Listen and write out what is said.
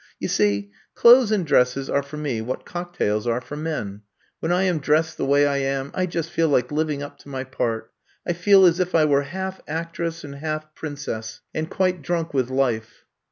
You see, clothes and dresses are for me what cocktails are for men. When I am dressed the way I am, I just feel like living up to my part. I feel as if I were half actress and half prin cess, and quite drunk with life."